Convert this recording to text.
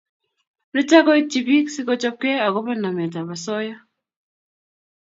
nitok koitchi piik si kochopkei akobo namet ab asoya